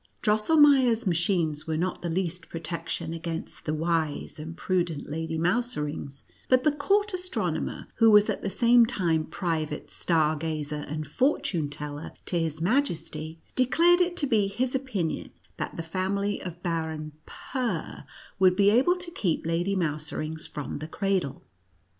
Drosselnieier's ma chines were not the least protection against the wise and prudent Lady Mouserings, but the court astronomer, who was at the same time private star gazer and fortune teller to his majesty, de clared it to be his opinion that the family of Baron Purr would be able to keep Lady Mouse rings from the cradle.